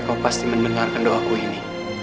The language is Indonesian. kau pasti mendengarkan doaku ini